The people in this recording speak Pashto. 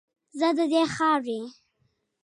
زه ددې خاورې